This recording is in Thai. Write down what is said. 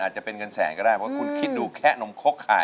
จะเป็นเงินแสนก็ได้เพราะคุณคิดดูแค่นมคกค่ะ